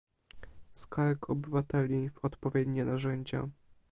Skarg Obywateli, w odpowiednie narzędzia